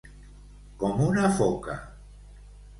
Com una foca.